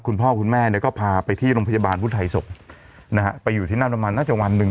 คุณพ่อคุณแม่เนี่ยก็พาไปที่โรงพยาบาลพุทธไทยศพนะฮะไปอยู่ที่นั่นประมาณน่าจะวันหนึ่ง